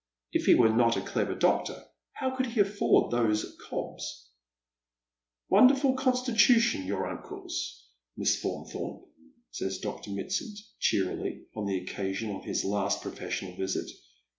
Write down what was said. If he were not a clever doctor how could he afford thoso cobs ?" Wonderful constitution, your uncle's, Miss Faunthorpe," says Dr. Mitsand, cheerily, on the occasion of his last professional visit.